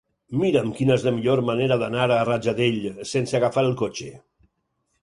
Mira'm quina és la millor manera d'anar a Rajadell sense agafar el cotxe.